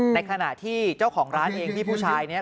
ในขณะที่เจ้าของร้านเองพี่ผู้ชายเนี่ย